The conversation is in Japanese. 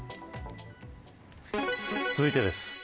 続いてです。